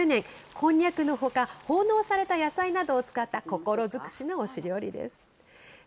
こんにゃくのほか、奉納された野菜などを使った心尽くしの御師料理です。